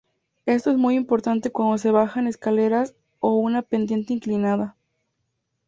Esto es muy importante cuando se bajan escaleras o una pendiente inclinada.